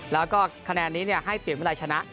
แล้วก็คะแนนนี้ให้เปลี่ยนวิรัยชนะ